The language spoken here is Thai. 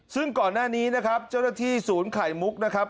ซึ่งก่อนหน้านี้นะครับเจ้าหน้าที่ศูนย์ไข่มุกนะครับ